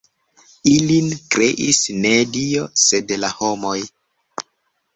Ilin kreis ne Dio, sed la homoj.